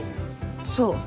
そう。